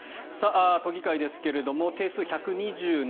都議会ですが定数１２７